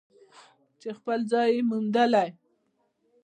چې خپل ځای یې موندلی.